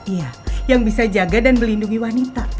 iya yang bisa jaga dan melindungi wanita